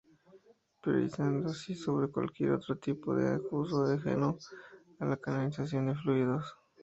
Priorizando así sobre cualquier otro tipo de uso ajeno a la canalización de fluidos.